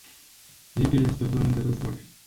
Libia este o zonă de război.